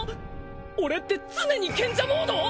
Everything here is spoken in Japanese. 俺って常に賢者モード！？